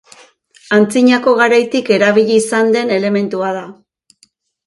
Antzinako garaitik erabili izan den elementua da.